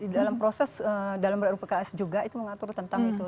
dalam proses dalam ru pks juga itu mengatur tentang itu